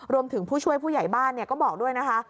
ผู้ช่วยผู้ใหญ่บ้านก็บอกด้วยนะคะ